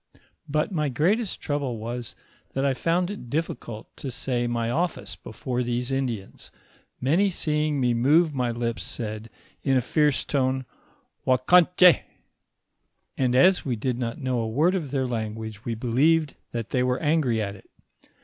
But my greatest trouble was that I found it difiScult to say my office before these Indians, many seeing me move my lips said, in a fierce tone, Ouackanch^ ; and as we did not know a word of their language, we believed that they were angry at it.